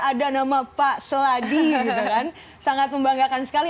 ada nama pak sladi sangat membanggakan sekali